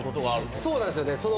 そうなんですよね。